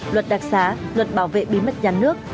luật đặc xá luật bảo vệ bí mật nhà nước